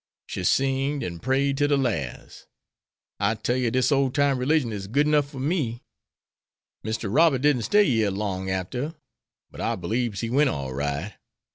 She singed an' prayed ter de last. I tell you dis ole time religion is good 'nuff fer me. Mr. Robert didn't stay yere long arter her, but I beliebs he went all right.